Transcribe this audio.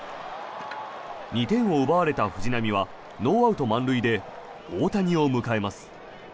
２点を奪われた藤浪はノーアウト満塁で大谷を迎えます。